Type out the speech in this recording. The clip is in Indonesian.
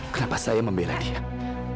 mereka akan akan menprehankan saya untuk